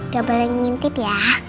gak boleh ngintip ya